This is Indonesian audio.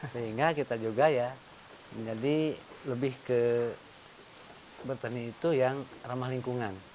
sehingga kita juga ya menjadi lebih ke petani itu yang ramah lingkungan